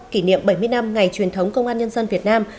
kỷ niệm bảy mươi năm ngày truyền thống công an nhân dân việt nam